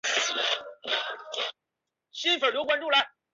顾太清所生。